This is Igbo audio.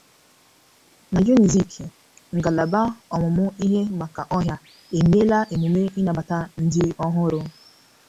Na Unizik, Ngalaba Ọmụmụ Ihe Maka Ọhịa Emeela Emume Ịnabata Ndị Ọhụrụ